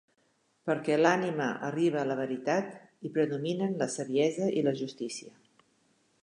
Perquè l'ànima arribe a la veritat i predominen la saviesa i la justícia...